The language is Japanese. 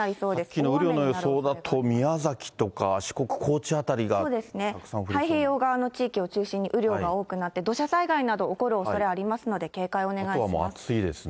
さっきの雨量の予想だと宮崎とか四国・高知辺りがたくさん降太平洋側の地域を中心に、雨量が多くなって、土砂災害など、起こるおそれありますので、警戒をお願いいたします。